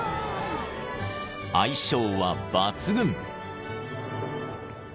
［相性は抜群］